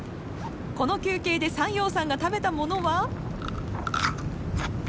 この休憩で山陽さんが食べたものは？